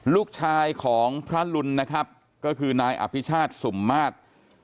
ลูกชายของพระลุนนะครับก็คือนายอภิชาติสุ่มมาตร